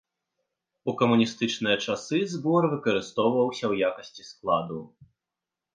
У камуністычныя часы збор выкарыстоўваўся ў якасці складу.